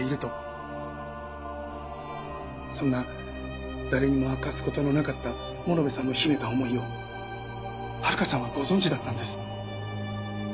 そんな誰にも明かす事のなかった物部さんの秘めた思いを遥さんはご存じだったんです。